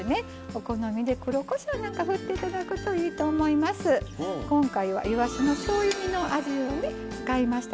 お好みで黒こしょうなんか振っていただいてもいいと思います。